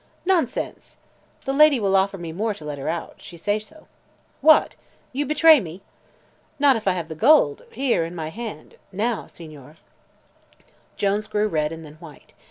"Nonsense!" "The lady will offer me more to let her out. She say so." "What! You'd betray me?" "Not if I have the gold here, in my hand now, Signore." Jones grew red and then white.